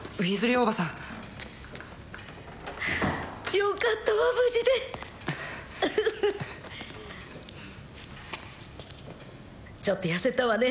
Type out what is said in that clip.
おばさんよかったわ無事でちょっと痩せたわね